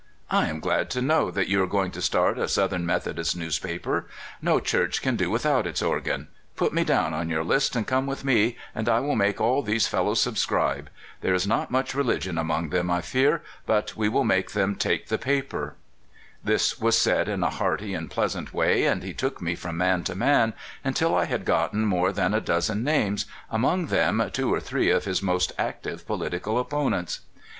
" I am glad to know that you are going to start a Southern Methodist newspaper. No Church can do without its organ. Put me down on your list, and come with me, and I will make all these fellows subscribe. There is not much religion among them, I fear, but we will make them take the paper." This was said in a heart}^ and pleasant wa3% and he took me from man to man, until I had got ten more than a dozen names, among them two or three of his most active political opponents.